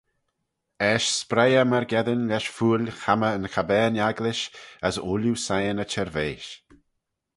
Eisht spreih eh myrgeddin lesh fuill chammah yn cabbane-agglish, as ooilley siyn y chirveish.